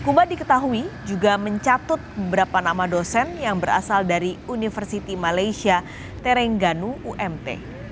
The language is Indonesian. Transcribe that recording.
kuba diketahui juga mencatut beberapa nama dosen yang berasal dari university malaysia terengganu umt